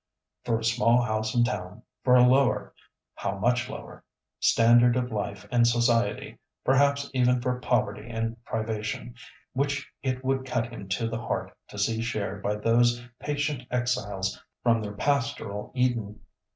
For a small house in town, for a lower—how much lower!—standard of life and society, perhaps even for poverty and privation, which it would cut him to the heart to see shared by those patient exiles from their pastoral Eden.